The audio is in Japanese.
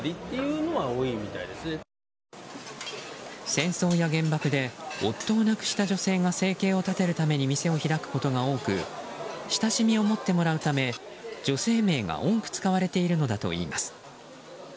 戦争や原爆で夫を亡くした女性が生計を立てるために店を開くことが多く親しみを持ってもらうため女性名が多く使われているのだといいます。